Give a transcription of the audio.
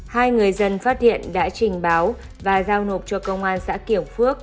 hai người dân phát hiện đã trình báo và giao nộp cho công an xã kiểu phước